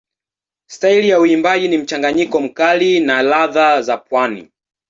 Staili ya uimbaji ni mchanganyiko mkali na ladha za pwani.